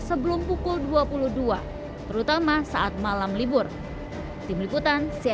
sebelum pukul dua puluh dua terutama saat malam libur